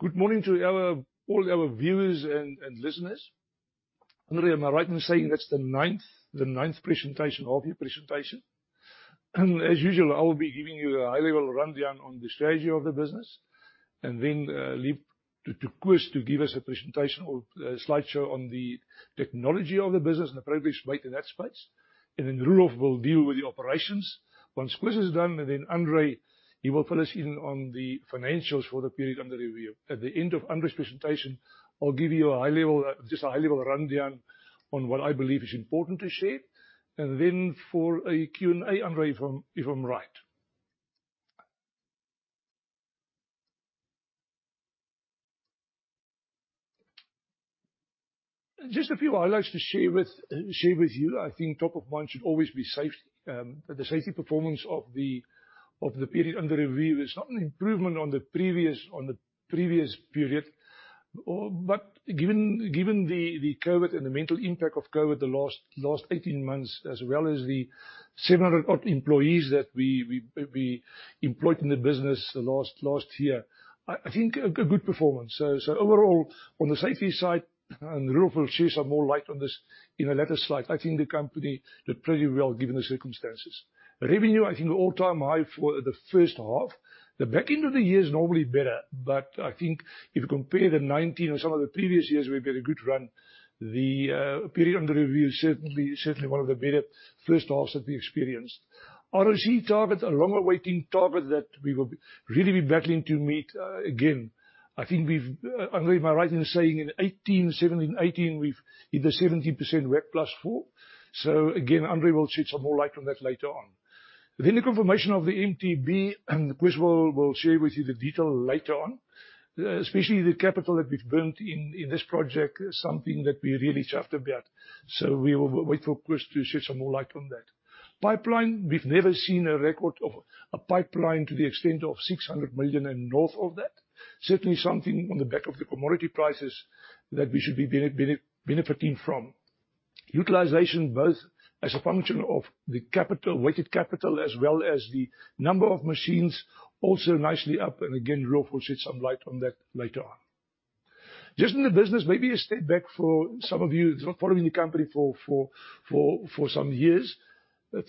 Good morning to all our viewers and listeners. André, am I right in saying that's the ninth presentation of your presentation? As usual, I will be giving you a high-level rundown on the strategy of the business, and then leave to Chris to give us a presentation or a slideshow on the technology of the business and the progress made in that space. Roelof will deal with the operations. Once Chris is done, and then André, he will fill us in on the financials for the period under review. At the end of André's presentation, I'll give you just a high-level rundown on what I believe is important to share. For a Q&A, André, if I'm right. Just a few highlights to share with you. I think top of mind should always be safety. Given the COVID and the mental impact of COVID the last 18 months, as well as the 700 odd employees that we employed in the business the last year, I think a good performance. Overall, on the safety side, and Roelof will shed some more light on this in a later slide, I think the company did pretty well given the circumstances. Revenue, I think all-time high for the first half. The back end of the year is normally better, but I think if you compare the 2019 or some of the previous years, we've had a good run. The period under review is certainly one of the better first halves that we experienced. ROCE target, a long-awaiting target that we will really be battling to meet again. I think André, am I right in saying in 2018, 2017, 2018, we've hit a 17% WACC plus 4? Again, André will shed some more light on that later on. The confirmation of the MTB, and Chris will share with you the detail later on. Especially the capital that we've burnt in this project is something that we're really chuffed about. We will wait for Chris to shed some more light on that. Pipeline, we've never seen a record of a pipeline to the extent of 600 million and north of that. Certainly, something on the back of the commodity prices that we should be benefiting from. Utilization, both as a function of the weighted capital as well as the number of machines, also nicely up and again, Roelof will shed some light on that later on. In the business, maybe a step back for some of you who are not following the company for some years.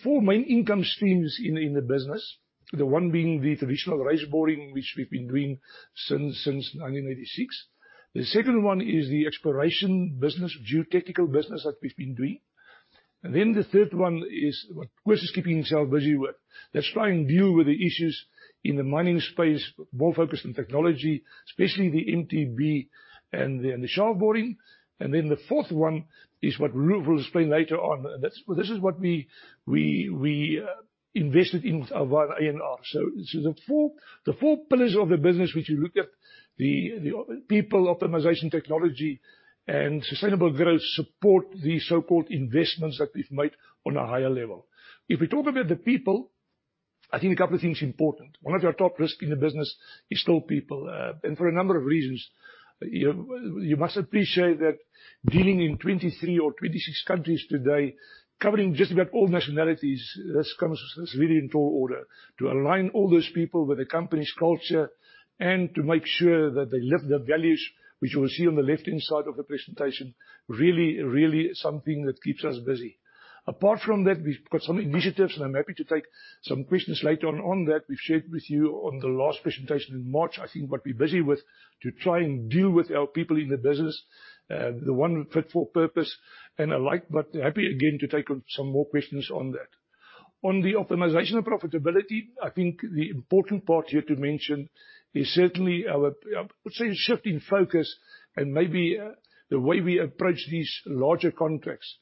Four main income streams in the business. The one being the traditional raise boring, which we've been doing since 1986. The second one is the exploration business, geotechnical business that we've been doing. The third one is what Chris is keeping himself busy with. That's trying to deal with the issues in the mining space, more focused on technology, especially the MTB and the initial boring. The fourth one is what Roelof will explain later on. This is what we invested in via A&R. The four pillars of the business, which we look at, the people, optimization, technology, and sustainable growth, support the so-called investments that we've made on a higher level. If we talk about the people, I think a couple of things important. One of our top risks in the business is still people. For a number of reasons. You must appreciate that dealing in 23 or 26 countries today, covering just about all nationalities, this comes really in tall order. To align all those people with the company's culture and to make sure that they live the values which you will see on the left-hand side of the presentation, really something that keeps us busy. Apart from that, we've got some initiatives, and I'm happy to take some questions later on that. We've shared with you on the last presentation in March, I think what we're busy with to try and deal with our people in the business, the one fit for purpose and alike, but happy again to take some more questions on that. On the optimization and profitability, I think the important part here to mention is certainly our, I would say, shift in focus and maybe the way we approach these larger contracts.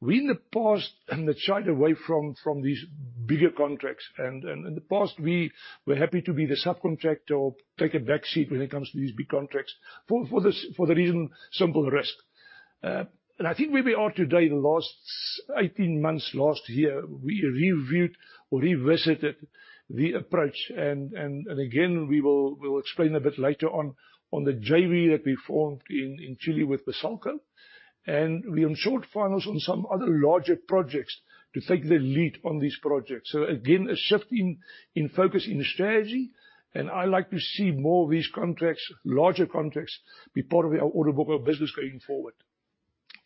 We in the past have shied away from these bigger contracts. In the past, we were happy to be the subcontractor or take a back seat when it comes to these big contracts for the reason, simple risk. I think where we are today, the last 18 months, last year, we reviewed or revisited the approach, and again, we will explain a bit later on the JV that we formed in Chile with Besalco. We are in short finals on some other larger projects to take the lead on these projects. Again, a shift in focus, in strategy. I like to see more of these contracts, larger contracts, be part of our order book, our business going forward.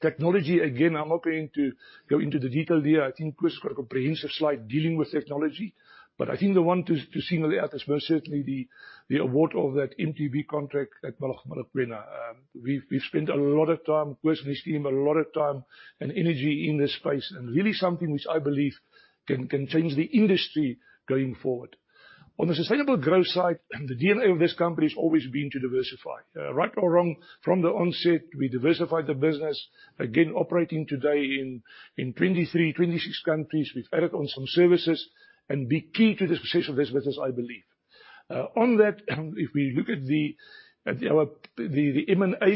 Technology, again, I am not going to go into the detail there. I think Chris has got a comprehensive slide dealing with technology. I think the one to single out is most certainly the award of that MTB contract at Mogalakwena. We've spent a lot of time, Chris and his team, a lot of time and energy in this space, really something which I believe can change the industry going forward. On the sustainable growth side, the DNA of this company has always been to diversify. Right or wrong, from the onset, we diversified the business. Again, operating today in 23, 26 countries. We've added on some services and be key to the success of this business, I believe. If we look at the M&As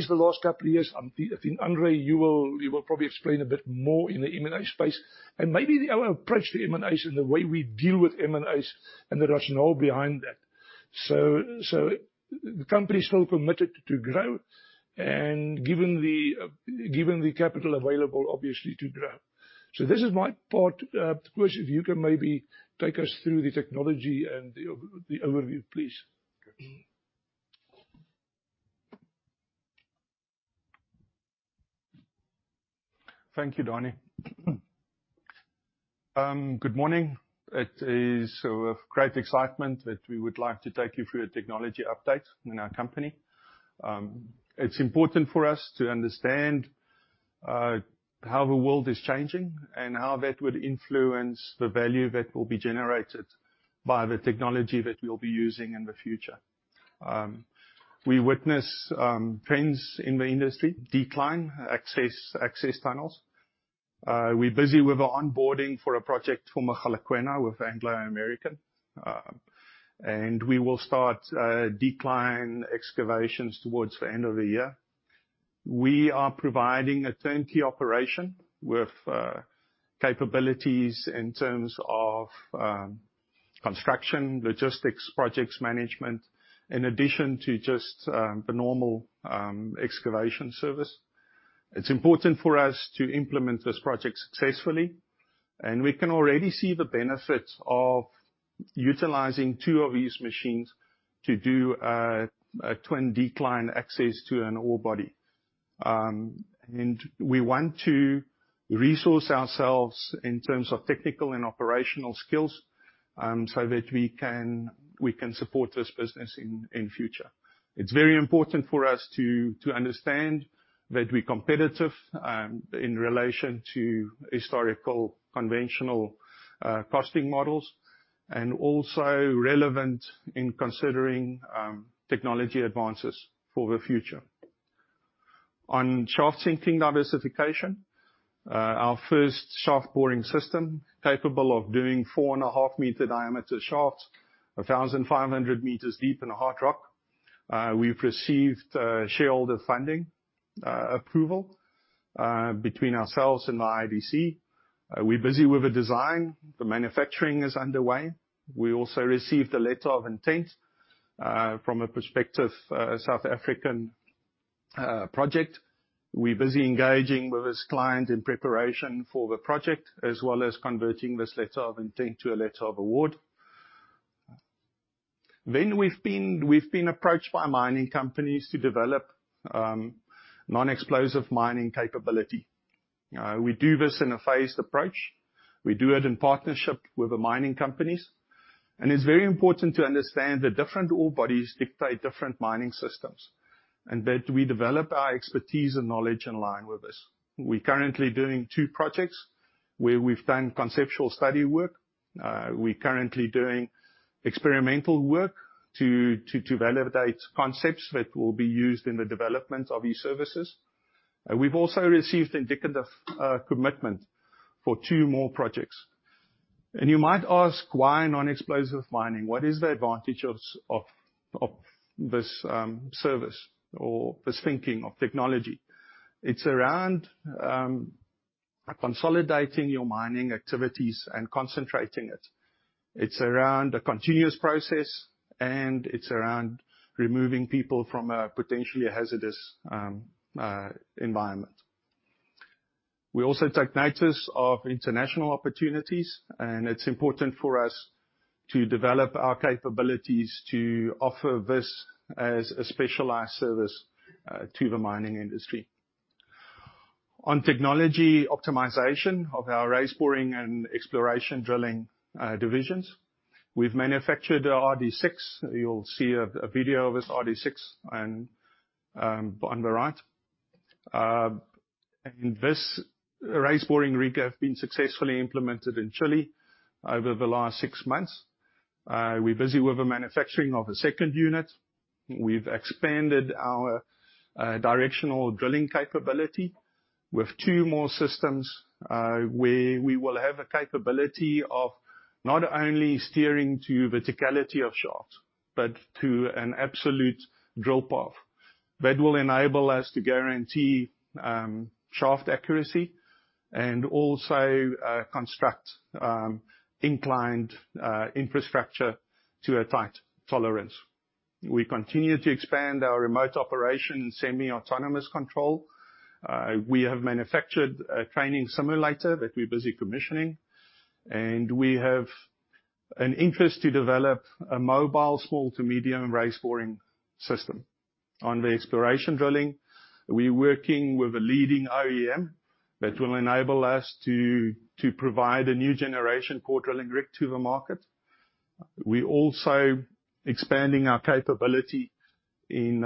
the last couple of years, I think, André, you will probably explain a bit more in the M&A space, and maybe our approach to M&As and the way we deal with M&As and the rationale behind that. The company is still committed to grow, and given the capital available, obviously to grow. This is my part. Chris, if you can maybe take us through the technology and the overview, please. Thank you, Dani. Good morning. It is with great excitement that we would like to take you through a technology update in our company. It is important for us to understand how the world is changing and how that would influence the value that will be generated by the technology that we will be using in the future. We witness trends in the industry decline access tunnels. We are busy with the onboarding for a project for Mogalakwena with Anglo American. We will start decline excavations towards the end of the year. We are providing a turnkey operation with capabilities in terms of construction, logistics, project management, in addition to just the normal excavation service. It is important for us to implement this project successfully. We can already see the benefits of utilizing two of these machines to do a twin decline access to an ore body. We want to resource ourselves in terms of technical and operational skills, so that we can support this business in future. It's very important for us to understand that we're competitive in relation to historical conventional costing models, and also relevant in considering technology advances for the future. Shaft sinking diversification, our first shaft boring system, capable of doing 4.5 meter diameter shafts, 1,500 meters deep in the hard rock. We've received shareholder funding approval between ourselves and the IDC. We're busy with the design. The manufacturing is underway. We also received a letter of intent from a prospective South African project. We're busy engaging with this client in preparation for the project, as well as converting this letter of intent to a letter of award. We've been approached by mining companies to develop non-explosive mining capability. We do this in a phased approach. We do it in partnership with the mining companies. It's very important to understand that different ore bodies dictate different mining systems, and that we develop our expertise and knowledge in line with this. We're currently doing two projects where we've done conceptual study work. We're currently doing experimental work to validate concepts that will be used in the development of these services. We've also received indicative commitment for two more projects. You might ask, why non-explosive mining? What is the advantage of this service or this thinking of technology? It's around consolidating your mining activities and concentrating it. It's around a continuous process, and it's around removing people from a potentially hazardous environment. We also take notice of international opportunities, and it's important for us to develop our capabilities to offer this as a specialized service to the mining industry. On technology optimization of our raise boring and exploration drilling divisions, we've manufactured an RD6. You'll see a video of this RD6 on the right. This raise boring rig has been successfully implemented in Chile over the last six months. We're busy with the manufacturing of a second unit. We've expanded our directional drilling capability with two more systems, where we will have a capability of not only steering to verticality of shaft, but to an absolute drop-off. That will enable us to guarantee shaft accuracy and also construct inclined infrastructure to a tight tolerance. We continue to expand our remote operation, semi-autonomous control. We have manufactured a training simulator that we're busy commissioning, and we have an interest to develop a mobile small to medium raise boring system. On the exploration drilling, we're working with a leading OEM that will enable us to provide a new generation core drilling rig to the market. We're also expanding our capability in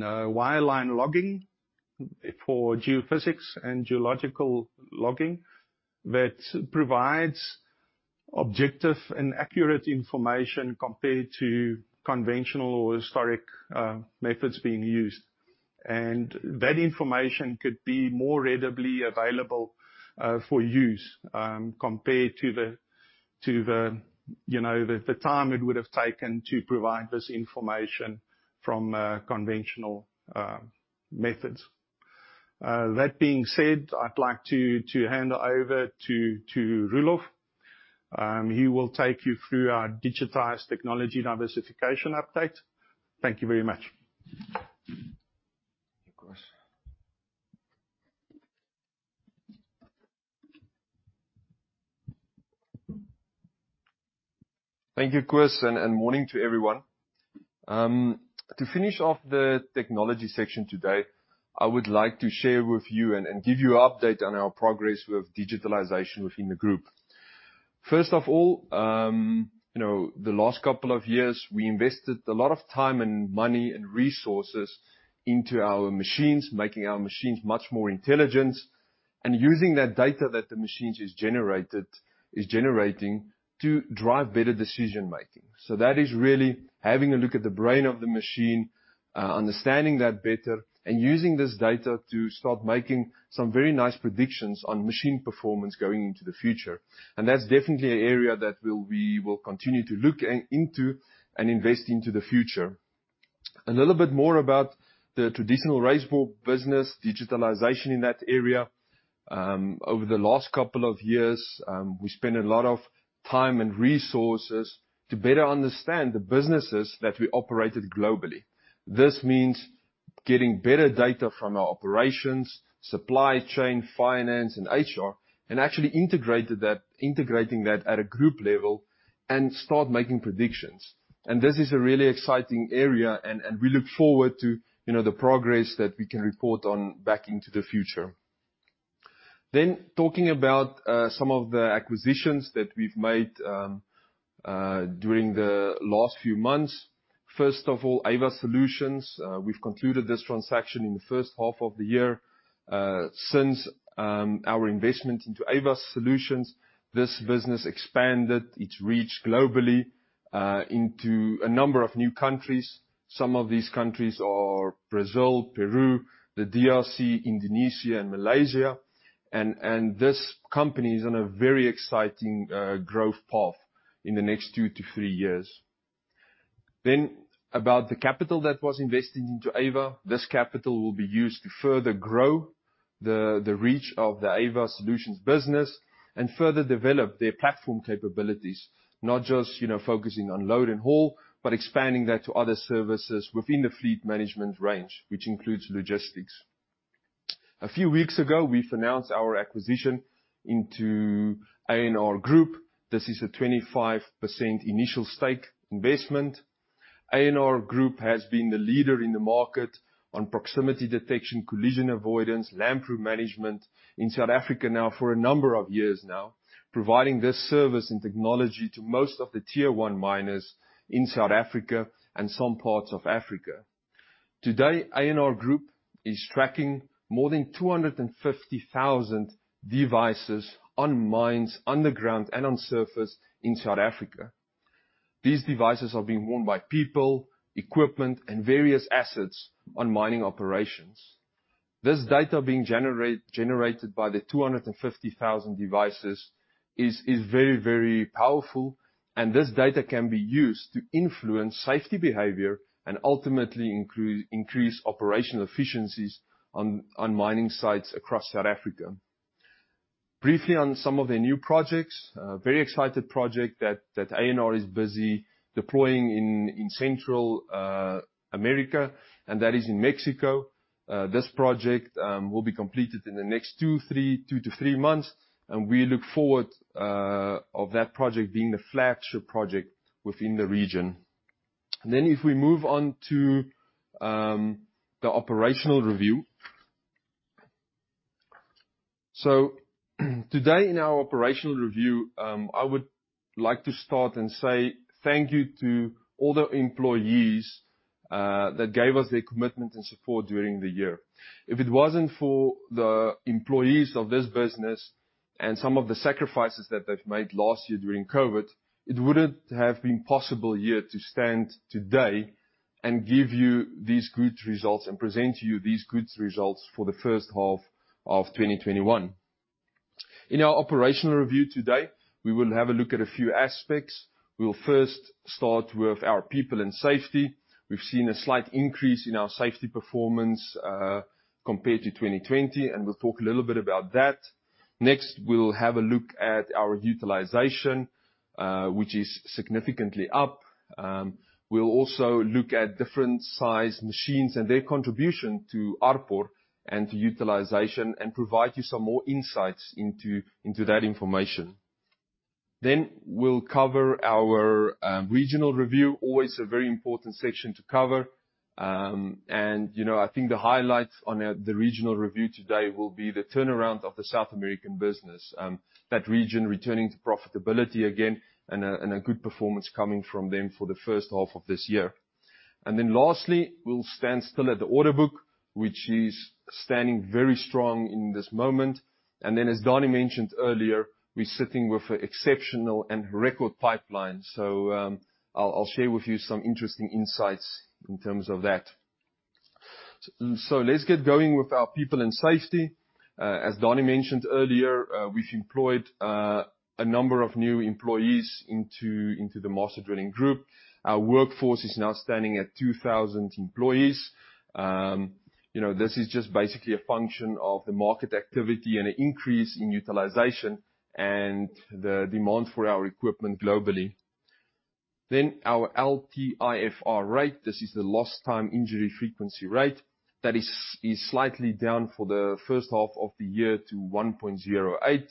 wireline logging for geophysics and geological logging that provides objective and accurate information compared to conventional or historic methods being used. That information could be more readily available for use, compared to the time it would have taken to provide this information from conventional methods. That being said, I'd like to hand over to Roelof. He will take you through our digitized technology diversification update. Thank you very much. Of course. Thank you, Chris, and morning to everyone. To finish off the technology section today, I would like to share with you and give you an update on our progress with digitalization within the group. First of all, the last couple of years, we invested a lot of time and money and resources into our machines, making our machines much more intelligent, and using that data that the machines is generating to drive better decision-making. That is really having a look at the brain of the machine, understanding that better, and using this data to start making some very nice predictions on machine performance going into the future. That's definitely an area that we will continue to look into and invest into the future. A little bit more about the traditional raise-bore business, digitalization in that area. Over the last couple of years, we spent a lot of time and resources to better understand the businesses that we operated globally. This means getting better data from our operations, supply chain, finance, and HR, and actually integrating that at a group level and start making predictions. This is a really exciting area, and we look forward to the progress that we can report on back into the future. Talking about some of the acquisitions that we've made during the last few months. First of all, AVA Solutions. We've concluded this transaction in the first half of the year. Since our investment into AVA Solutions, this business expanded its reach globally into a number of new countries. Some of these countries are Brazil, Peru, the DRC, Indonesia, and Malaysia. This company is on a very exciting growth path in the next two to three years. About the capital that was invested into AVA. This capital will be used to further grow the reach of the AVA Solutions business and further develop their platform capabilities. Not just focusing on load and haul, but expanding that to other services within the fleet management range, which includes logistics. A few weeks ago, we've announced our acquisition into A&R Group. This is a 25% initial stake investment. A&R Group has been the leader in the market on proximity detection, collision avoidance, lamp room management in South Africa for a number of years, providing this service and technology to most of the tier 1 miners in South Africa and some parts of Africa. Today, A&R Group is tracking more than 250,000 devices on mines underground and on surface in South Africa. These devices are being worn by people, equipment, and various assets on mining operations. This data being generated by the 250,000 devices is very, very powerful, and this data can be used to influence safety behavior and ultimately increase operational efficiencies on mining sites across South Africa. Briefly on some of their new projects. A very excited project that A&R is busy deploying in Central America, and that is in Mexico. This project will be completed in the next two to three months, and we look forward of that project being the flagship project within the region. If we move on to the operational review. Today in our operational review, I would like to start and say thank you to all the employees that gave us their commitment and support during the year. If it wasn't for the employees of this business and some of the sacrifices that they've made last year during COVID, it wouldn't have been possible here to stand today and give you these good results and present you these good results for the first half of 2021. In our operational review today, we will have a look at a few aspects. We'll first start with our people and safety. We've seen a slight increase in our safety performance compared to 2020, and we'll talk a little bit about that. Next, we'll have a look at our utilization, which is significantly up. We'll also look at different size machines and their contribution to ARPU and to utilization and provide you some more insights into that information. We'll cover our regional review. Always a very important section to cover. I think the highlights on the regional review today will be the turnaround of the South American business. That region returning to profitability again and a good performance coming from them for the first half of this year. Lastly, we'll stand still at the order book, which is standing very strong in this moment. As Daniël mentioned earlier, we're sitting with an exceptional and record pipeline. I'll share with you some interesting insights in terms of that. Let's get going with our people and safety. As Daniël mentioned earlier, we've employed a number of new employees into the Master Drilling Group. Our workforce is now standing at 2,000 employees. This is just basically a function of the market activity and an increase in utilization and the demand for our equipment globally. Our LTIFR rate, this is the lost time injury frequency rate. That is slightly down for the first half of the year to 1.08.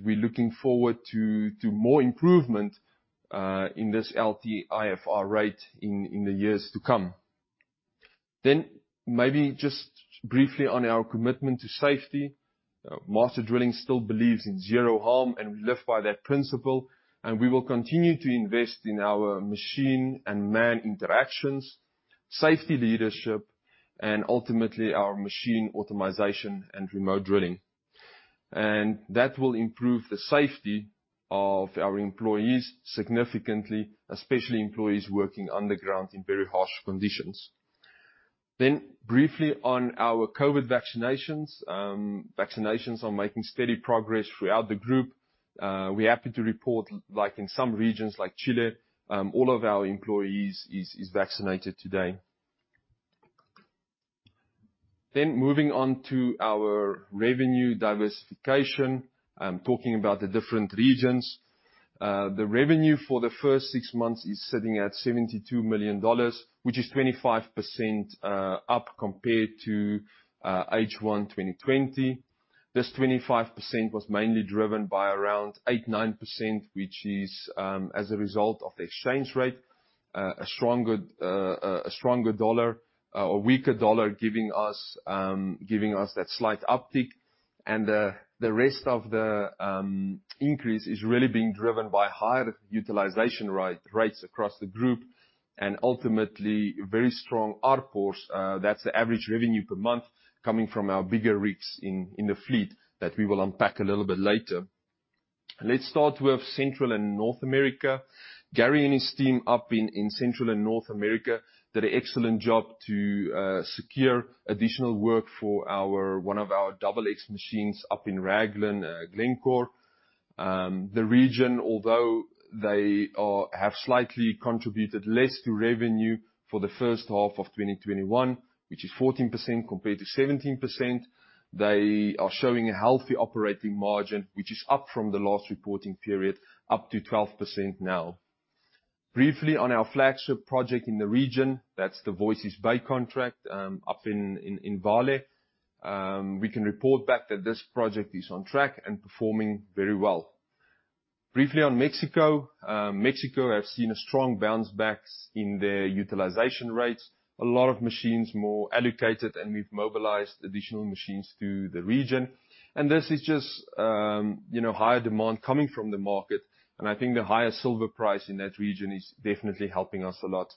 We're looking forward to more improvement in this LTIFR rate in the years to come. Briefly on our commitment to safety. Master Drilling still believes in zero harm, and we live by that principle, and we will continue to invest in our machine and man interactions, safety leadership, and ultimately our machine automization and remote drilling. That will improve the safety of our employees significantly, especially employees working underground in very harsh conditions. Briefly on our COVID vaccinations. Vaccinations are making steady progress throughout the group. We're happy to report, like in some regions like Chile, all of our employees is vaccinated today. Moving on to our revenue diversification, talking about the different regions. The revenue for the first six months is sitting at $72 million, which is 25% up compared to H1 2020. This 25% was mainly driven by around 8%, 9%, which is as a result of the exchange rate. A weaker dollar giving us that slight uptick. The rest of the increase is really being driven by higher utilization rates across the group and ultimately very strong ARPU, that's the average revenue per month, coming from our bigger rigs in the fleet that we will unpack a little bit later. Let's start with Central and North America. Gary and his team up in Central and North America did an excellent job to secure additional work for one of our double X machines up in Raglan, Glencore. The region, although they have slightly contributed less to revenue for the first half of 2021, which is 14% compared to 17%, they are showing a healthy operating margin, which is up from the last reporting period up to 12% now. Briefly on our flagship project in the region, that's the Voisey's Bay contract, up in Vale. We can report back that this project is on track and performing very well. Briefly on Mexico. Mexico have seen a strong bounce back in their utilization rates. A lot of machines more allocated, and we've mobilized additional machines to the region. This is just higher demand coming from the market. I think the higher silver price in that region is definitely helping us a lot.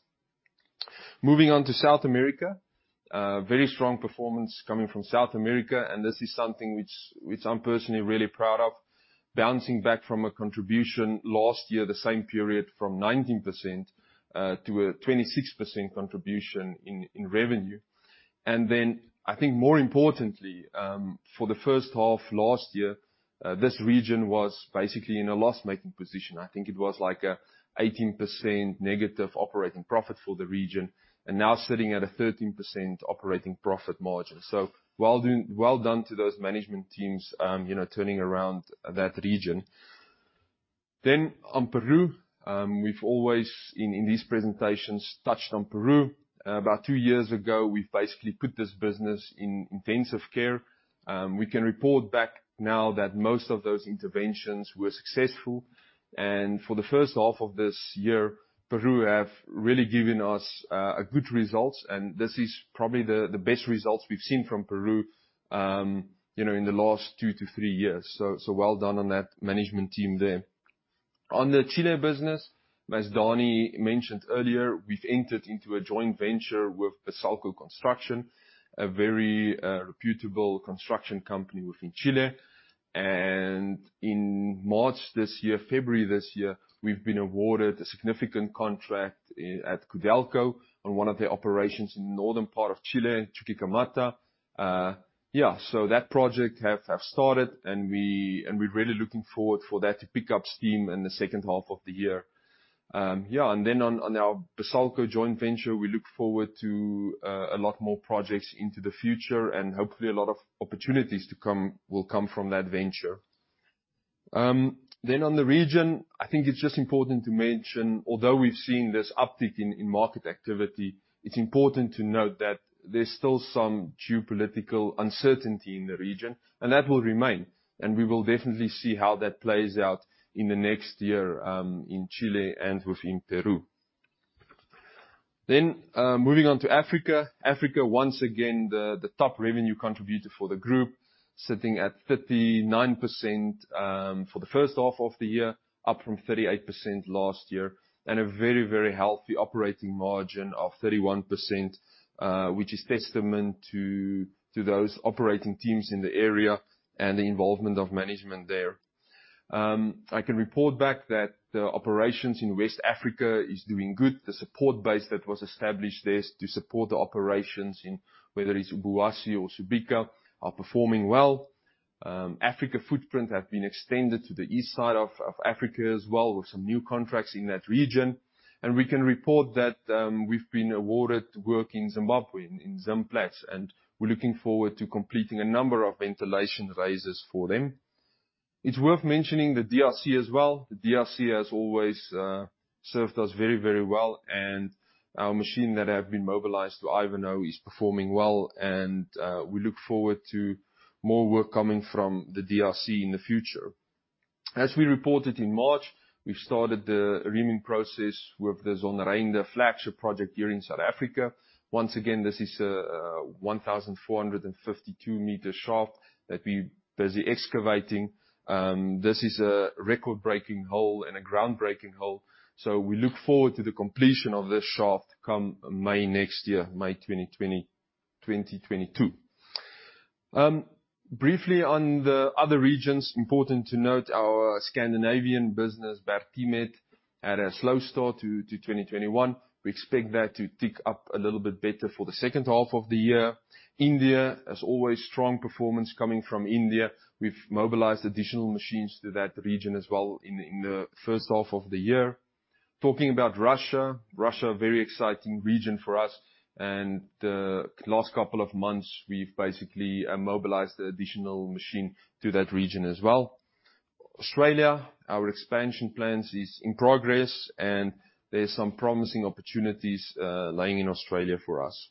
Moving on to South America. Very strong performance coming from South America, and this is something which I'm personally really proud of. Bouncing back from a contribution last year, the same period, from 19% to a 26% contribution in revenue. I think more importantly, for the first half last year, this region was basically in a loss-making position. I think it was like a 18% negative operating profit for the region, and now sitting at a 13% operating profit margin. Well done to those management teams turning around that region. On Peru, we've always in these presentations touched on Peru. About two years ago, we've basically put this business in intensive care. We can report back now that most of those interventions were successful. For the first half of this year, Peru have really given us a good result, and this is probably the best results we've seen from Peru in the last two to three years. Well done on that management team there. On the Chile business, as Danny mentioned earlier, we've entered into a joint venture with Besalco Construcciones, a very reputable construction company within Chile. In March this year, February this year, we've been awarded a significant contract at Codelco on one of their operations in the northern part of Chile in Chuquicamata. That project have started, and we're really looking forward for that to pick up steam in the second half of the year. On our Besalco joint venture, we look forward to a lot more projects into the future and hopefully a lot of opportunities will come from that venture. On the region, I think it's just important to mention, although we've seen this uptick in market activity, it's important to note that there's still some geopolitical uncertainty in the region, and that will remain. We will definitely see how that plays out in the next year, in Chile and within Peru. Moving on to Africa. Africa, once again, the top revenue contributor for the group, sitting at 39% for the first half of the year, up from 38% last year, and a very, very healthy operating margin of 31%, which is testament to those operating teams in the area and the involvement of management there. I can report back that the operations in West Africa is doing good. The support base that was established there to support the operations in, whether it's Bibiani or Subika, are performing well. Africa footprint have been extended to the east side of Africa as well, with some new contracts in that region. We can report that we've been awarded work in Zimbabwe, in Zimplats, and we're looking forward to completing a number of ventilation raises for them. It's worth mentioning the DRC as well. The DRC has always served us very well, and our machine that has been mobilized to Ivanhoe is performing well, and we look forward to more work coming from the DRC in the future. As we reported in March, we've started the reaming process with the Zondereinde flagship project here in South Africa. Once again, this is a 1,452-meter shaft that we're busy excavating. This is a record-breaking hole and a groundbreaking hole. We look forward to the completion of this shaft come May next year, May 2022. Briefly on the other regions, important to note our Scandinavian business, Bergteamet, had a slow start to 2021. We expect that to tick up a little bit better for the second half of the year. India, as always, strong performance coming from India. We've mobilized additional machines to that region as well in the first half of the year. Talking about Russia, a very exciting region for us. The last couple of months, we've basically mobilized additional machine to that region as well. Australia, our expansion plans is in progress. There's some promising opportunities lying in Australia for us.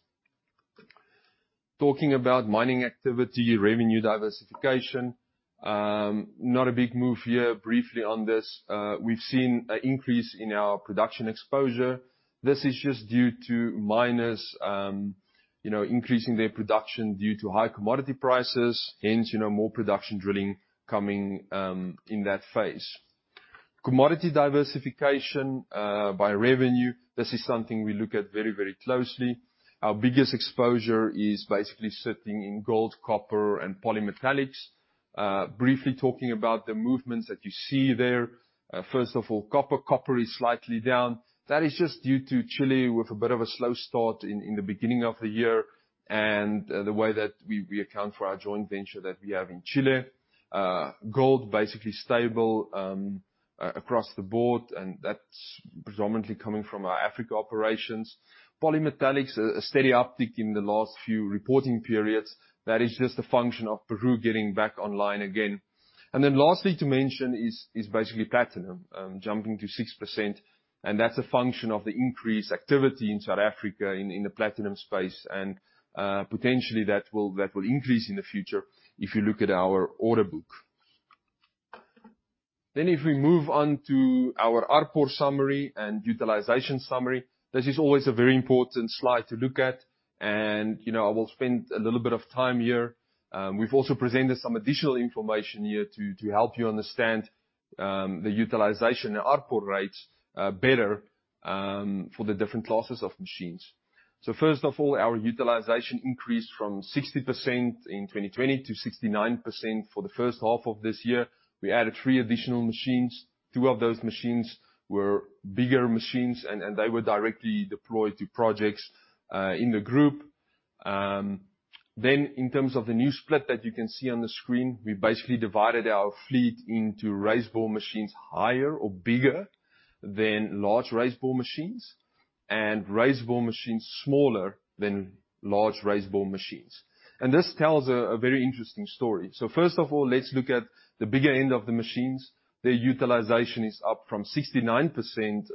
Talking about mining activity, revenue diversification, not a big move here. Briefly on this, we've seen an increase in our production exposure. This is just due to miners increasing their production due to high commodity prices, hence, more production drilling coming in that phase. Commodity diversification by revenue, this is something we look at very closely. Our biggest exposure is basically sitting in gold, copper, and polymetallics. Briefly talking about the movements that you see there. First of all, copper. Copper is slightly down. That is just due to Chile with a bit of a slow start in the beginning of the year and the way that we account for our joint venture that we have in Chile. Gold, basically stable across the board, and that's predominantly coming from our Africa operations. Polymetallics, a steady uptick in the last few reporting periods. That is just a function of Peru getting back online again. Then lastly to mention is basically platinum jumping to 6%, and that's a function of the increased activity in South Africa in the platinum space, and potentially that will increase in the future if you look at our order book. If we move on to our ARPU summary and utilization summary, this is always a very important slide to look at, and I will spend a little bit of time here. We've also presented some additional information here to help you understand the utilization and ARPU rates better for the different classes of machines. First of all, our utilization increased from 60% in 2020 to 69% for the first half of this year. We added three additional machines. Two of those machines were bigger machines, and they were directly deployed to projects in the group. In terms of the new split that you can see on the screen, we basically divided our fleet into raise bore machines higher or bigger than large raise bore machines and raise bore machines smaller than large raise bore machines. This tells a very interesting story. First of all, let's look at the bigger end of the machines. Their utilization is up from 69%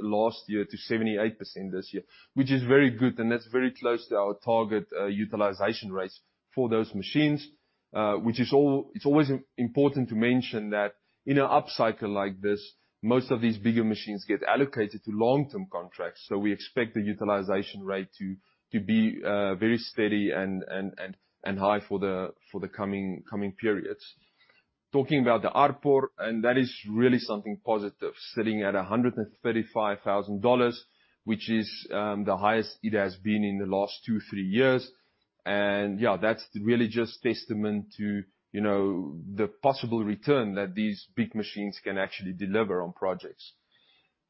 last year to 78% this year, which is very good, and that's very close to our target utilization rates for those machines. It's always important to mention that in an upcycle like this, most of these bigger machines get allocated to long-term contracts. We expect the utilization rate to be very steady and high for the coming periods. Talking about the ARPU, and that is really something positive, sitting at $135,000, which is the highest it has been in the last two, three years. That's really just testament to the possible return that these big machines can actually deliver on projects.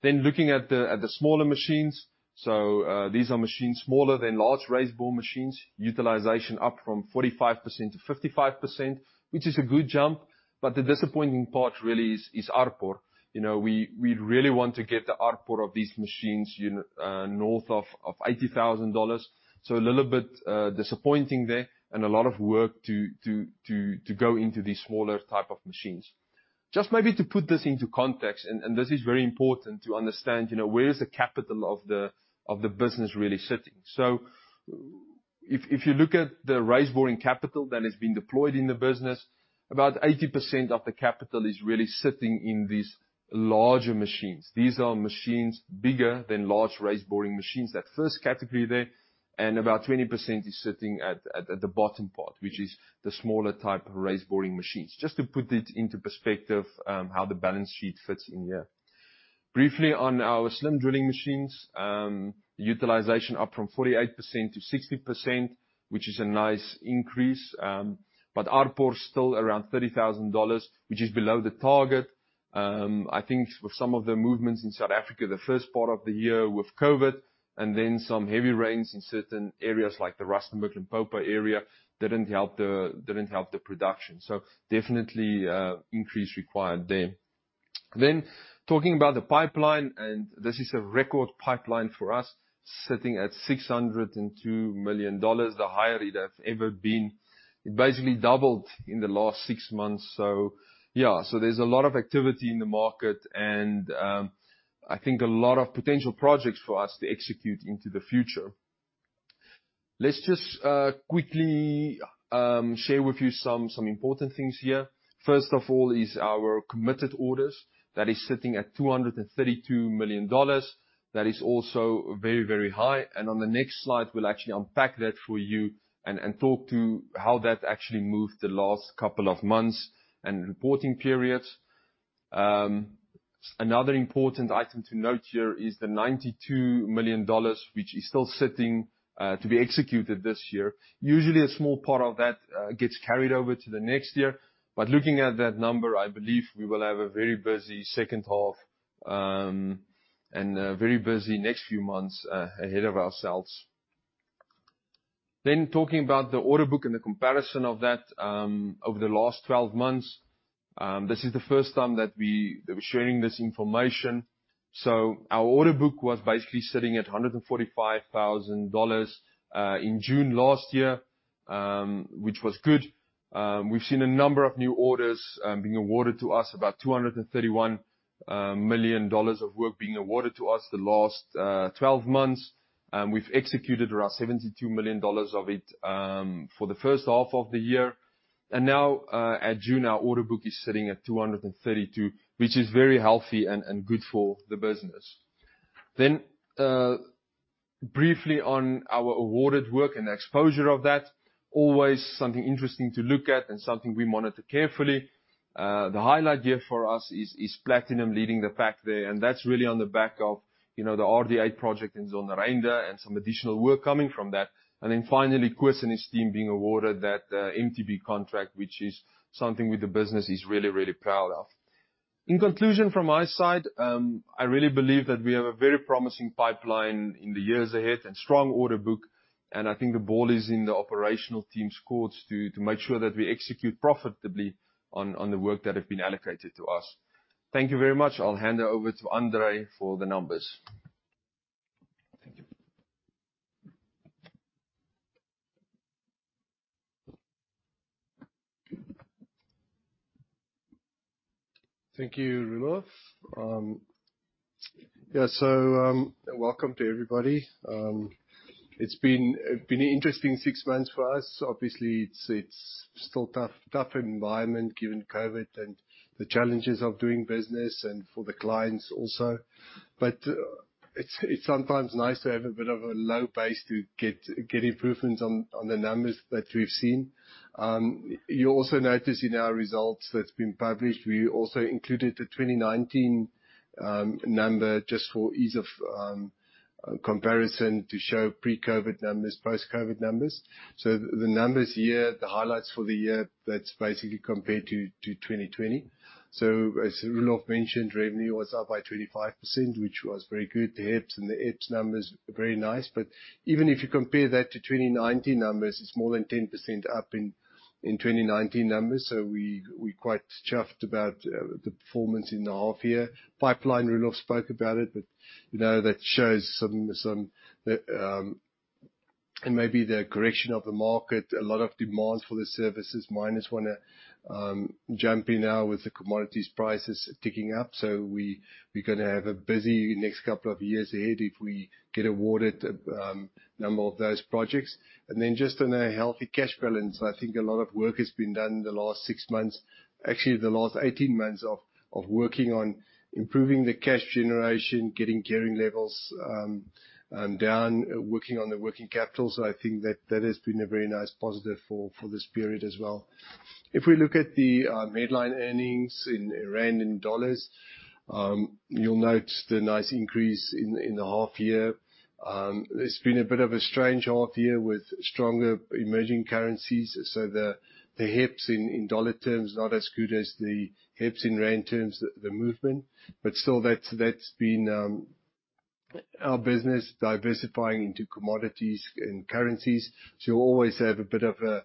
Looking at the smaller machines. These are machines smaller than large raise borer machines. Utilization up from 45%-55%, which is a good jump, but the disappointing part really is ARPU. We really want to get the ARPU of these machines north of $80,000. A little bit disappointing there and a lot of work to go into these smaller type of machines. Just maybe to put this into context, this is very important to understand where is the capital of the business really sitting. If you look at the raise boring capital that has been deployed in the business, about 80% of the capital is really sitting in these larger machines. These are machines bigger than large raise boring machines, that first category there. About 20% is sitting at the bottom part, which is the smaller type raise boring machines. Just to put it into perspective how the balance sheet fits in here. Briefly on our slim drilling machines, utilization up from 48%-60%, which is a nice increase. ARPU is still around ZAR 30,000, which is below the target. I think with some of the movements in South Africa the first part of the year with COVID and then some heavy rains in certain areas like the Rustenburg, Limpopo area didn't help the production. Definitely increase required there. Talking about the pipeline, this is a record pipeline for us, sitting at ZAR 602 million, the higher it has ever been. It basically doubled in the last six months. There's a lot of activity in the market and I think a lot of potential projects for us to execute into the future. Let's just quickly share with you some important things here. First of all is our committed orders that is sitting at ZAR 232 million. That is also very high, and on the next slide, we'll actually unpack that for you and talk to how that actually moved the last couple of months and reporting periods. Another important item to note here is the $92 million, which is still sitting to be executed this year. Usually, a small part of that gets carried over to the next year. Looking at that number, I believe we will have a very busy second half, and a very busy next few months ahead of ourselves. Talking about the order book and the comparison of that over the last 12 months. This is the first time that we're sharing this information. Our order book was basically sitting at $145,000 in June last year, which was good. We've seen a number of new orders being awarded to us, about ZAR 231 million of work being awarded to us the last 12 months. We've executed around ZAR 72 million of it for the first half of the year. Now, at June, our order book is sitting at 232 million, which is very healthy and good for the business. Briefly on our awarded work and exposure of that, always something interesting to look at and something we monitor carefully. The highlight here for us is platinum leading the pack there, and that's really on the back of the RDA project in Zondereinde and some additional work coming from that. Finally, Chris and his team being awarded that MTB contract, which is something with the business he's really proud of. In conclusion, from my side, I really believe that we have a very promising pipeline in the years ahead and strong order book, and I think the ball is in the operational team's courts to make sure that we execute profitably on the work that have been allocated to us. Thank you very much. I'll hand it over to André for the numbers. Thank you. Thank you, Roelof. Yeah, welcome to everybody. It's been an interesting six months for us. Obviously, it's still tough environment given COVID and the challenges of doing business, and for the clients also. It's sometimes nice to have a bit of a low base to get improvements on the numbers that we've seen. You also notice in our results that's been published, we also included the 2019 number just for ease of comparison to show pre-COVID numbers, post-COVID numbers. The numbers here, the highlights for the year, that's basically compared to 2020. As Roelof mentioned, revenue was up by 25%, which was very good. The HEPS and the EPS numbers are very nice, even if you compare that to 2019 numbers, it's more than 10% up in 2019 numbers. We're quite chuffed about the performance in the half year. Pipeline, Roelof spoke about it. That shows maybe the correction of the market, a lot of demands for the services miners want to jump in now with the commodities prices ticking up. We're going to have a busy next couple of years ahead if we get awarded a number of those projects. Just on a healthy cash balance, I think a lot of work has been done in the last six months, actually the last 18 months, of working on improving the cash generation, getting gearing levels down, working on the working capital. I think that has been a very nice positive for this period as well. If we look at the midline earnings in rand and dollars, you'll note the nice increase in the half year. It's been a bit of a strange half year with stronger emerging currencies. The EPS in U.S. dollar terms, not as good as the EPS in ZAR terms, the movement. Still that's been our business diversifying into commodities and currencies. You always have a bit of a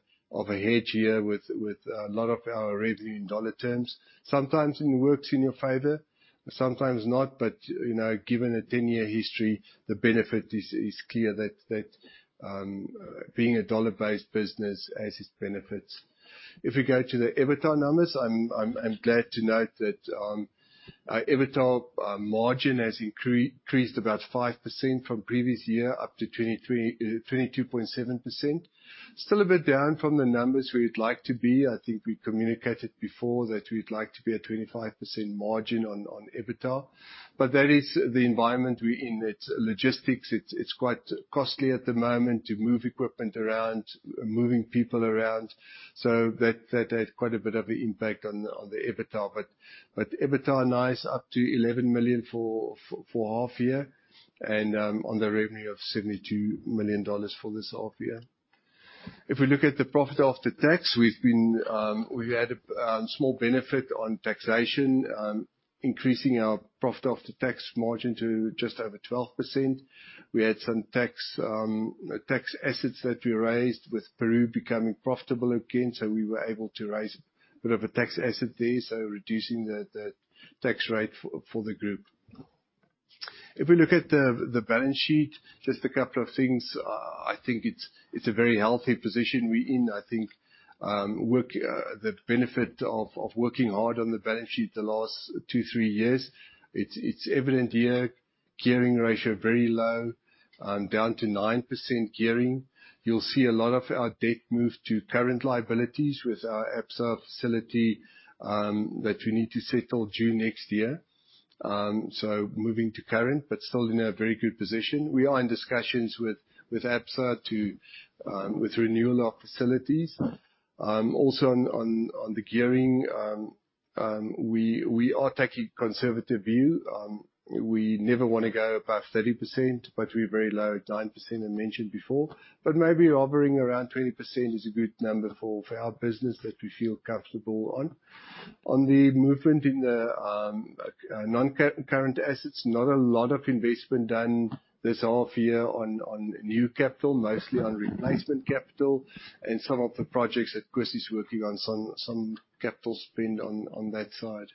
hedge here with a lot of our revenue in U.S. dollar terms. Sometimes it works in your favor, sometimes not. Given a 10-year history, the benefit is clear that being a U.S. dollar-based business has its benefits. If we go to the EBITDA numbers, I'm glad to note that our EBITDA margin has increased about 5% from previous year up to 22.7%. Still a bit down from the numbers we would like to be. I think we communicated before that we'd like to be at 25% margin on EBITDA. That is the environment we're in. It's logistics. It's quite costly at the moment to move equipment around, moving people around. That has quite a bit of an impact on the EBITDA. EBITDA nice up to 11 million for half year and on the revenue of $72 million for this half year. If we look at the profit after tax, we had a small benefit on taxation, increasing our profit after tax margin to just over 12%. We had some tax assets that we raised with Peru becoming profitable again, we were able to raise a bit of a tax asset there, reducing the tax rate for the group. If we look at the balance sheet, just a couple of things. I think it's a very healthy position we're in. I think the benefit of working hard on the balance sheet the last two, three years, it's evident here. Gearing ratio very low, down to 9% gearing. You'll see a lot of our debt move to current liabilities with our Absa facility, that we need to settle June next year. Moving to current, but still in a very good position. We are in discussions with Absa with renewal of facilities. On the gearing, we are taking a conservative view. We never want to go above 30%, but we're very low at 9%, I mentioned before. Maybe hovering around 20% is a good number for our business that we feel comfortable on. On the movement in the non-current assets, not a lot of investment done this half-year on new capital, mostly on replacement capital and some of the projects that Chris is working on, some capital spend on that side.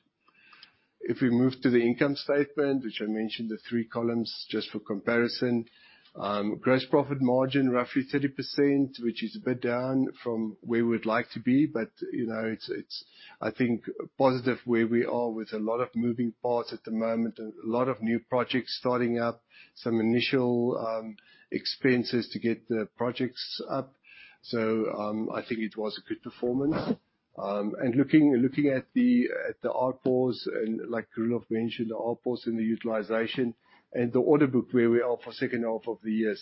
We move to the income statement, which I mentioned the three columns just for comparison. Gross profit margin, roughly 30%, which is a bit down from where we would like to be. It's, I think, positive where we are with a lot of moving parts at the moment and a lot of new projects starting up, some initial expenses to get the projects up. I think it was a good performance. Looking at the ARPUs, and like Roelof mentioned, the ARPUs and the utilization and the order book where we are for second half of the year.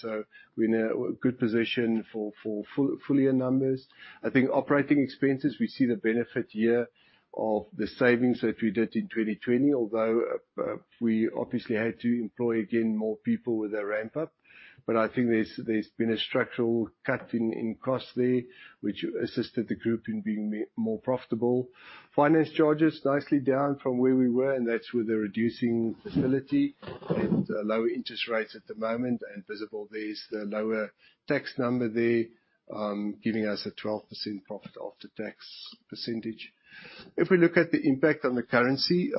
We're in a good position for full-year numbers. I think operating expenses, we see the benefit here of the savings that we did in 2020. We obviously had to employ again more people with our ramp-up. I think there's been a structural cut in costs there, which assisted the group in being more profitable. Finance charges nicely down from where we were. That's with the reducing facility and lower interest rates at the moment. Visible there is the lower tax number there, giving us a 12% profit after tax percentage. If we look at the impact on the currency.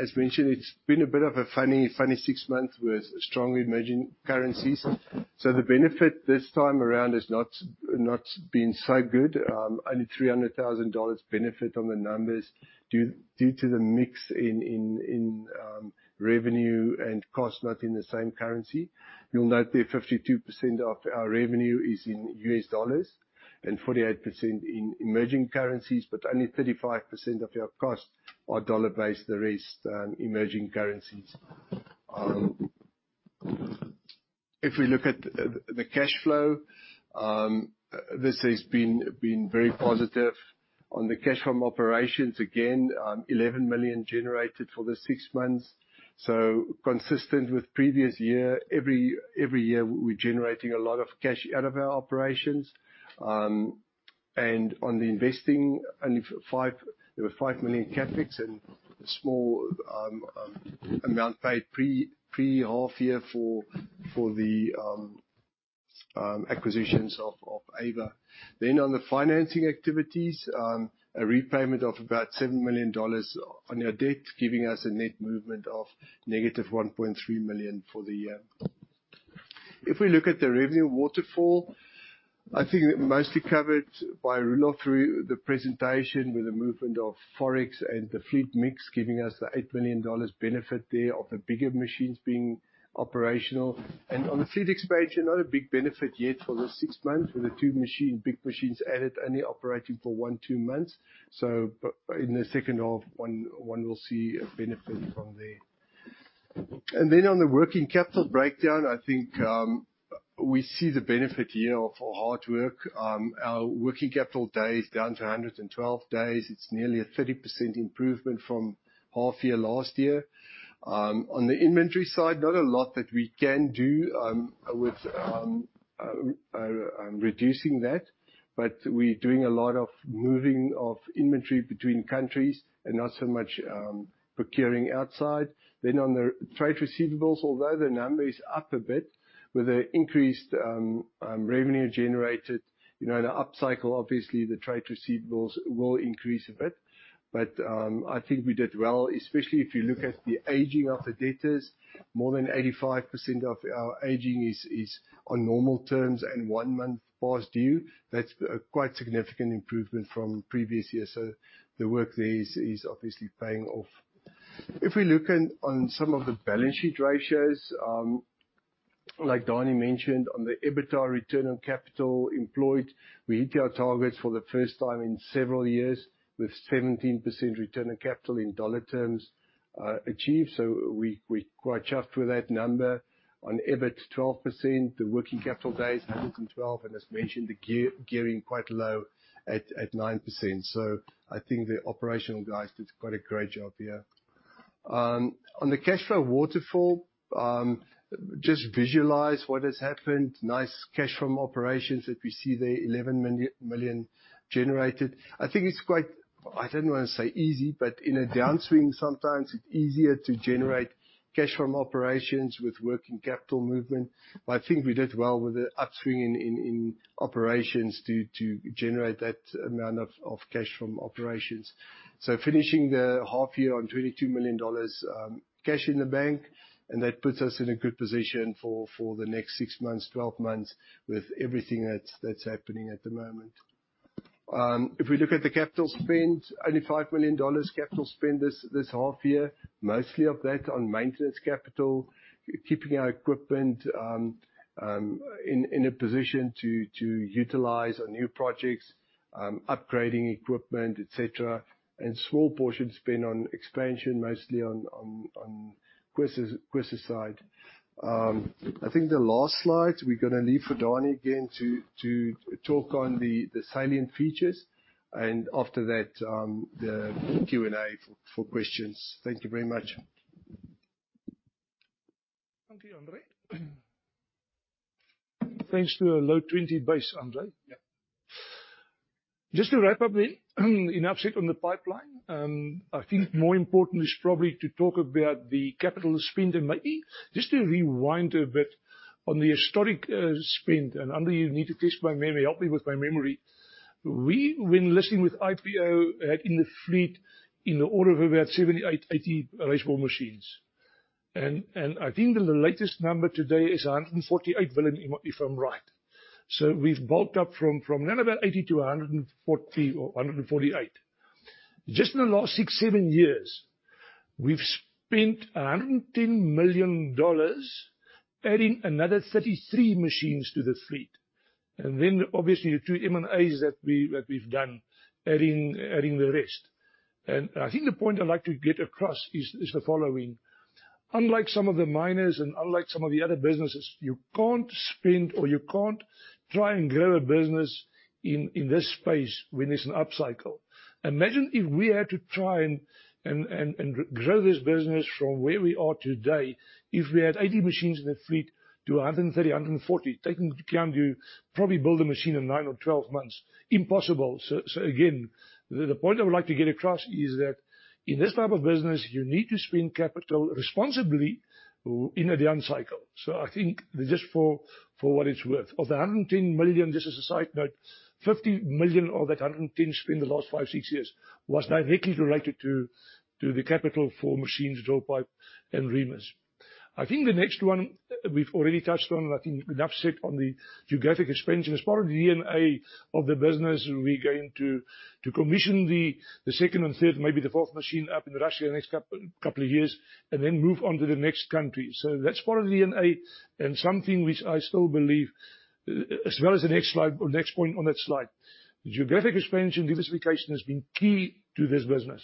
As mentioned, it's been a bit of a funny six months with strong emerging currencies. The benefit this time around has not been so good. Only $300,000 benefit on the numbers due to the mix in revenue and cost not in the same currency. You'll note there, 52% of our revenue is in U.S. dollars and 48% in emerging currencies, but only 35% of our costs are dollar-based, the rest are emerging currencies. If we look at the cash flow, this has been very positive. On the cash from operations, again, 11 million generated for the six months. Consistent with previous year. Every year, we are generating a lot of cash out of our operations. On the investing, there were 5 million CapEx and a small amount paid pre half-year for the acquisitions of AVA. On the financing activities, a repayment of about $7 million on our debt, giving us a net movement of -1.3 million for the year. If we look at the revenue waterfall, I think mostly covered by Roelof through the presentation, with the movement of Forex and the fleet mix giving us the $8 million benefit there of the bigger machines being operational. On the fleet expansion, not a big benefit yet for the six months with the two big machines added only operating for one, two months. In the second half, one will see a benefit from there. On the working capital breakdown, I think we see the benefit here of our hard work. Our working capital days down to 112 days. It's nearly a 30% improvement from half year last year. On the inventory side, not a lot that we can do with reducing that, but we're doing a lot of moving of inventory between countries and not so much procuring outside. On the trade receivables, although the number is up a bit with the increased revenue generated, the up cycle, obviously, the trade receivables will increase a bit. I think we did well, especially if you look at the aging of the debtors. More than 85% of our aging is on normal terms and one month past due. That's a quite significant improvement from previous years. The work there is obviously paying off. We look on some of the balance sheet ratios. Like Daniël mentioned on the EBITDA return on capital employed, we hit our targets for the first time in several years with 17% return on capital in dollar terms, achieved. We're quite chuffed with that number. On EBIT, 12%, the working capital days, 112, and as mentioned, the gearing quite low at 9%. I think the operational guys did quite a great job here. On the cash flow waterfall, just visualize what has happened. Nice cash from operations that we see there, 11 million generated. I think it's quite, I don't want to say easy, but in a downswing, sometimes it's easier to generate cash from operations with working capital movement. I think we did well with the upswing in operations to generate that amount of cash from operations. Finishing the half year on ZAR 22 million cash in the bank, and that puts us in a good position for the next six months, 12 months with everything that's happening at the moment. If we look at the capital spend, only ZAR 5 million capital spend this half year, mostly of that on maintenance capital, keeping our equipment in a position to utilize our new projects, upgrading equipment, et cetera, and small portion spend on expansion, mostly on Chris' side. I think the last slide we're going to leave for Danie again to talk on the salient features. After that, the Q&A for questions. Thank you very much. Thank you, André. Thanks to a low 20 base, André. Yeah. Just to wrap up the, enough said on the pipeline. I think more important is probably to talk about the capital spend and maybe just to rewind a bit on the historic spend. André, you need to test my memory. Help me with my memory. We, when listing with IPO, had in the fleet in the order of about 78, 80 raise bore machines. I think that the latest number today is 148, if I'm right. We've bulked up from then about 80 to 140 or 148. Just in the last six, seven years, we've spent ZAR 110 million adding another 33 machines to the fleet. Obviously the two M&As that we've done, adding the rest. I think the point I'd like to get across is the following. Unlike some of the miners and unlike some of the other businesses, you can't spend or you can't try and grow a business in this space when it's an upcycle. Imagine if we had to try and grow this business from where we are today if we had 80 machines in the fleet to 130, 140, taking into account you probably build a machine in 9 or 12 months. Impossible. Again, the point I would like to get across is that in this type of business, you need to spend capital responsibly in a down cycle. I think just for what it's worth, of the 110 million, just as a side note, 50 million of that 110 spent in the last five, six years was directly related to the capital for machines, drill pipe and reamers. I think the next one we've already touched on, and I think enough said on the geographic expansion. As part of the DNA of the business, we're going to commission the second and third, maybe the fourth machine up in Russia the next two years, and then move on to the next country. That's part of the DNA and something which I still believe as well as the next slide or next point on that slide. Geographic expansion diversification has been key to this business.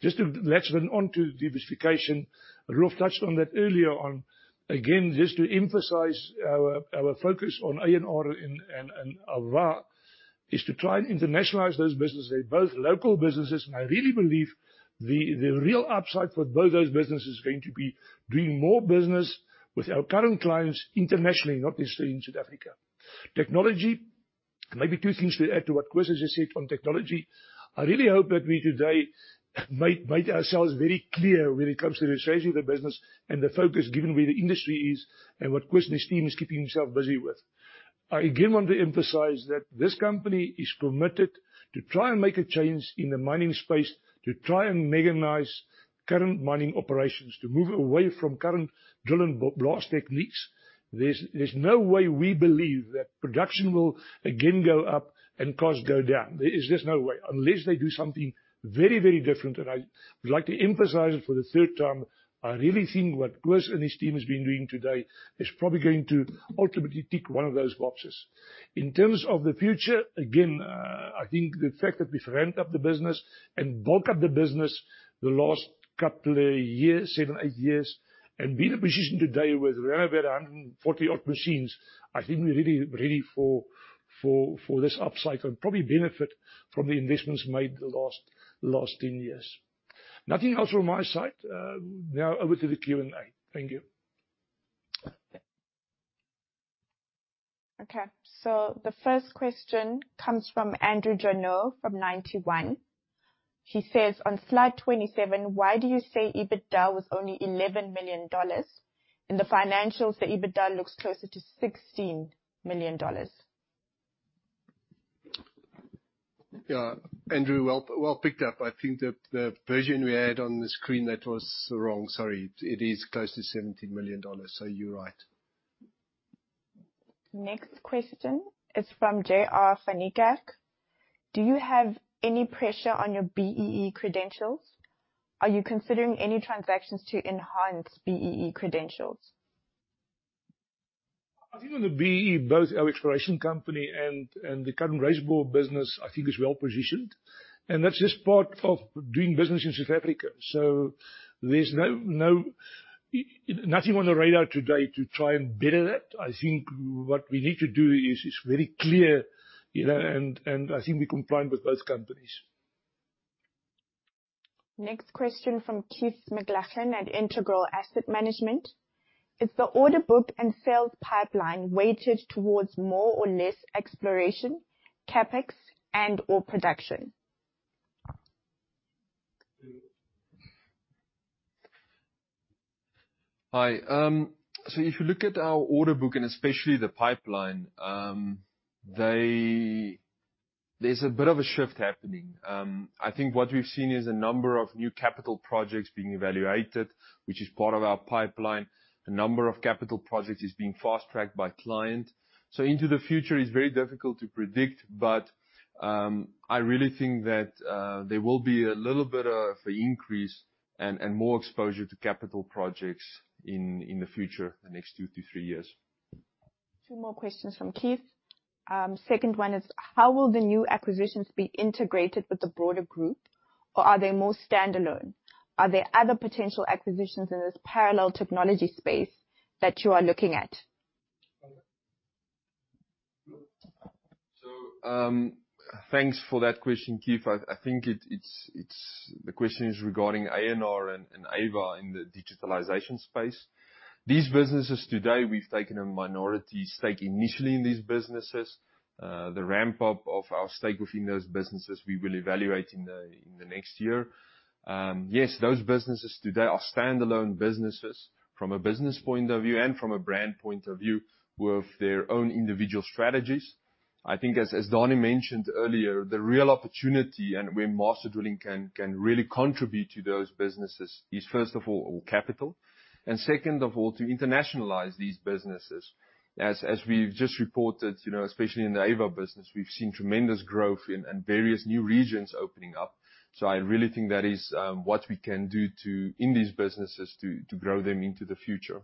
Just to latch then onto diversification, Roelf touched on that earlier on. Again, just to emphasize our focus on A&R and AVA is to try and internationalize those businesses. They're both local businesses, and I really believe the real upside for both those businesses is going to be doing more business with our current clients internationally, not necessarily in South Africa. Technology, maybe two things to add to what Chris has said on technology. I really hope that we today made ourselves very clear when it comes to the strategy of the business and the focus given where the industry is and what Chris and his team is keeping himself busy with. I again want to emphasize that this company is committed to try and make a change in the mining space, to try and mechanize current mining operations, to move away from current drill-and-blast techniques. There's no way we believe that production will again go up and costs go down. There's just no way unless they do something very different, and I would like to emphasize it for the third time. I really think what Chris and his team has been doing today is probably going to ultimately tick one of those boxes. In terms of the future, again, I think the fact that we've ramped up the business and bulked up the business the last couple of years, seven, eight years, and be in a position today with around about 140 odd machines, I think we're really ready for this upcycle and probably benefit from the investments made the last 10 years. Nothing else from my side. Over to the Q&A. Thank you. The first question comes from André Joubert from Ninety One. He says, "On slide 27, why do you say EBITDA was only ZAR 11 million? In the financials, the EBITDA looks closer to ZAR 16 million. Yeah. André, well picked up. I think the version we had on the screen, that was wrong. Sorry. It is close to $17 million. You're right. Next question is from Jan van Niekerk. Do you have any pressure on your BEE credentials? Are you considering any transactions to enhance BEE credentials? I think on the BEE, both our exploration company and the current raise bore business, I think is well positioned, and that's just part of doing business in South Africa. There's nothing on the radar today to try and better that. I think what we need to do is very clear, and I think we compliant with both companies. Next question from Keith McLachlan at Integral Asset Management. "Is the order book and sales pipeline weighted towards more or less exploration, CapEx, and/or production? Hi. If you look at our order book and especially the pipeline, there's a bit of a shift happening. I think what we've seen is a number of new capital projects being evaluated, which is part of our pipeline. A number of capital projects is being fast-tracked by client. Into the future, it's very difficult to predict, but I really think that there will be a little bit of an increase and more exposure to capital projects in the future, the next two to three years. Two more questions from Keith. Second one is, how will the new acquisitions be integrated with the broader group? Are they more standalone? Are there other potential acquisitions in this parallel technology space that you are looking at? Thanks for that question, Keith. I think the question is regarding A&R and AVA in the digitalization space. These businesses today, we've taken a minority stake initially in these businesses. The ramp-up of our stake within those businesses, we will evaluate in the next year. Those businesses today are standalone businesses from a business point of view and from a brand point of view, with their own individual strategies. I think as Daniël mentioned earlier, the real opportunity and where Master Drilling can really contribute to those businesses is, first of all, capital and second of all, to internationalize these businesses. As we've just reported, especially in the AVA business, we've seen tremendous growth and various new regions opening up. I really think that is what we can do in these businesses to grow them into the future.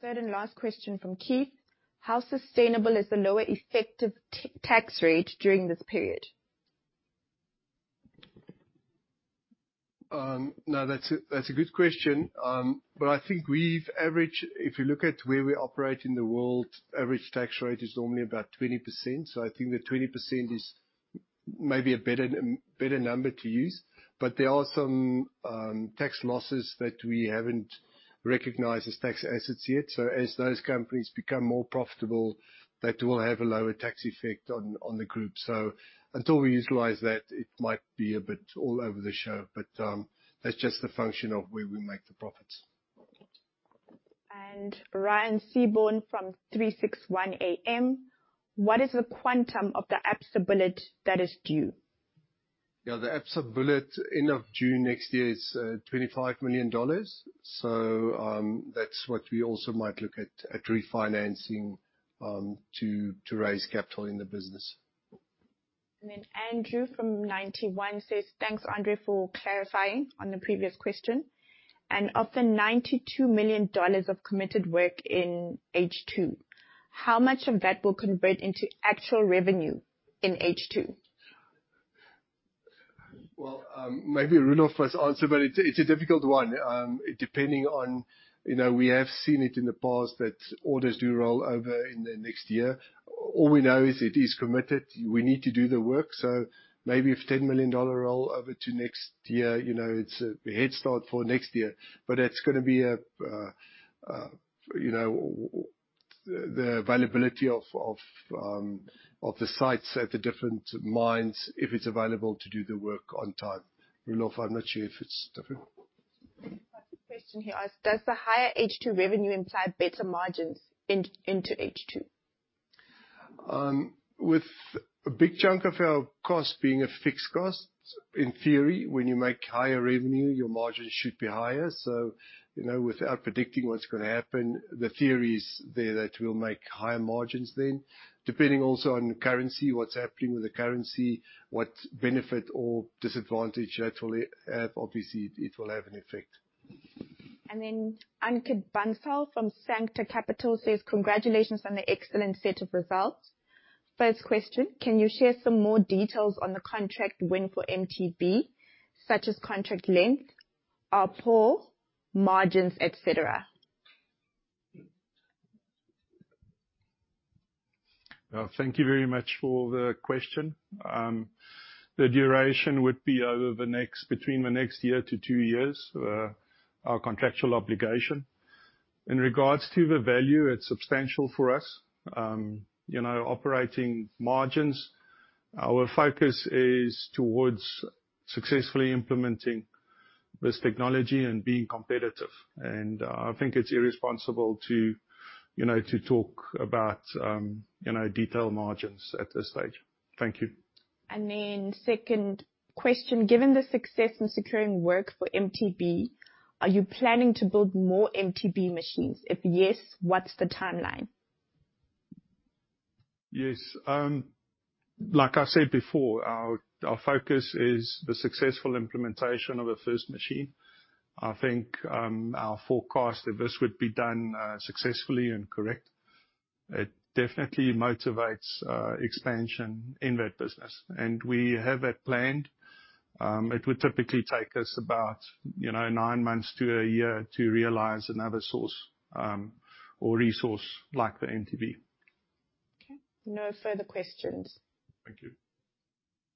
Third and last question from Keith. How sustainable is the lower effective tax rate during this period? That's a good question. I think if you look at where we operate in the world, average tax rate is normally about 20%. I think that 20% is maybe a better number to use, but there are some tax losses that we haven't recognized as tax assets yet. As those companies become more profitable, that will have a lower tax effect on the group. Until we utilize that, it might be a bit all over the show. That's just a function of where we make the profits. Ryan Seaborne from 36ONE AM. What is the Absa bullet that is due? Yeah, the Absa bullet end of June next year is ZAR 25 million. That's what we also might look at refinancing, to raise capital in the business. André from Ninety One says, thanks, André, for clarifying on the previous question. Of the $92 million of committed work in H2, how much of that will convert into actual revenue in H2? Well, maybe Roelof must answer, but it's a difficult one. We have seen it in the past that orders do roll over into next year. All we know is it is committed. We need to do the work. Maybe if ZAR 10 million roll over to next year, it's a head start for next year, but it's going to be the availability of the sites at the different mines, if it's available to do the work on time. Roelof, I'm not sure if it's different. Next question here asks, does the higher H2 revenue imply better margins into H2? With a big chunk of our cost being a fixed cost, in theory, when you make higher revenue, your margins should be higher. Without predicting what's going to happen, the theory is that we'll make higher margins then, depending also on currency, what's happening with the currency, what benefit or disadvantage that will have. Obviously, it will have an effect. Ankit Bansal from Sancta Capital says, congratulations on the excellent set of results. First question, can you share some more details on the contract win for MTB, such as contract length, ARPU, margins, et cetera? Well, thank you very much for the question. The duration would be between the next year to two years, our contractual obligation. In regards to the value, it's substantial for us. Operating margins, our focus is towards successfully implementing this technology and being competitive. I think it's irresponsible to talk about detailed margins at this stage. Thank you. Second question, given the success in securing work for MTB, are you planning to build more MTB machines? If yes, what's the timeline? Yes. Like I said before, our focus is the successful implementation of a first machine. I think, our forecast, if this would be done successfully and correct, it definitely motivates expansion in that business. We have that planned. It would typically take us about nine months to a year to realize another source or resource like the MTB. Okay. No further questions. Thank you.